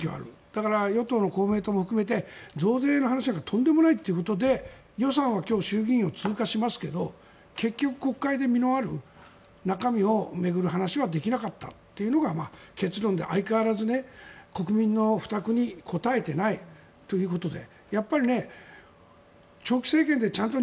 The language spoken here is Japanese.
だから、与党の公明党も含めて増税の話なんかとんでもないということで予算は今日衆議院を通過しますけど結局、国会で実のある中身を巡る話はできなかったというのが結論で相変わらず国民の負託に応えていないということで。